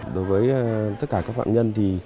đối với tất cả các phạm nhân